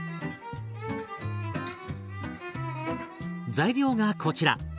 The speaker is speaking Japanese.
材料がこちら。